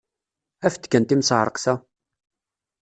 Af-d kan timseɛṛeqt-a!